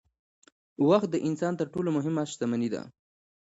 وخت د انسان تر ټولو مهمه شتمني ده